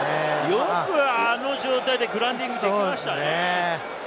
よく、あの状況でグラウンディングできましたね。